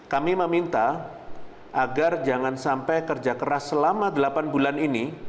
kami meminta agar jangan sampai kerja keras selama delapan bulan ini